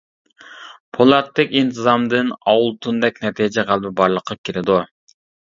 پولاتتەك ئىنتىزامدىن ئالتۇندەك نەتىجە غەلىبە بارلىققا كېلىدۇ.